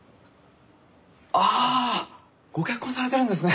ああご結婚されてるんですね。